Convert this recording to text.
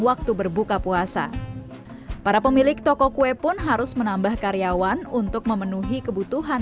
waktu berbuka puasa para pemilik toko kue pun harus menambah karyawan untuk memenuhi kebutuhan